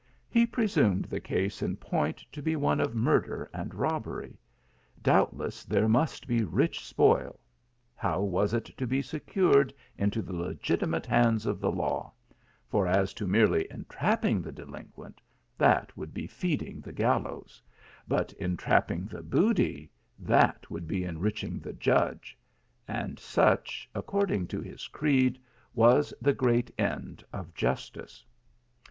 He presumed the case in point to be one of murder and robbery ; doubtless there must be ri h spoil ; how was it to be secured into the legitimate hands of the law ? for as to merely entrapping the delin quent that would be feeding the gallows : but en trapping the booty that would be enriching the judge ; and such, according to his creed, was the THE MOORS LEGACY. 167 great end ot justice.